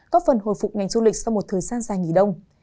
có phần hồi phục ngành du lịch sau một thời gian dài nghỉ đông